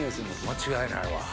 間違いないわ。